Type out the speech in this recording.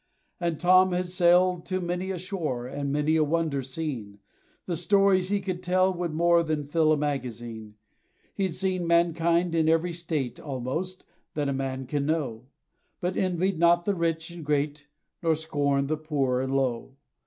And Tom had sailed to many a shore, And many a wonder seen: The stories he could tell would more Than fill a magazine. He 'd seen mankind in every state, Almost, that man can know; But envied not the rich and great, Nor scorned the poor and low.